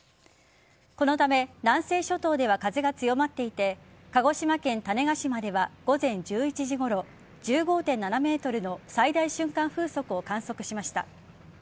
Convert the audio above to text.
このため南西諸島では風が強まっていて鹿児島県種子島では午前１１時ごろ１５．７メートルの最大瞬間風速を観測しました。